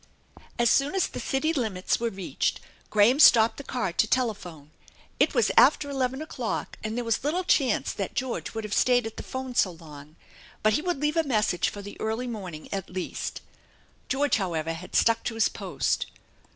As soon as the city limits were reached, Graham stopped the car to telephone. It was after eleven o'clock, and there was little chance that George would have stayed at the phone so long, but he would leave a message for the early morning at least. George, however, had stuck to his post.